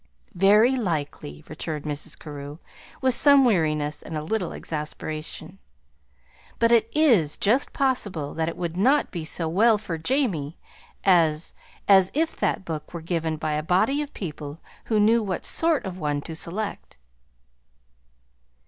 "Very likely," returned Mrs. Carew, with some weariness and a little exasperation. "But it is just possible that it would not be so well for Jamie as as if that book were given by a body of people who knew what sort of one to select."